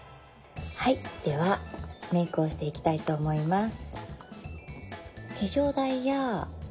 ではメイクをしていきたいと思います。